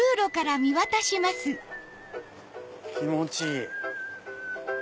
気持ちいい！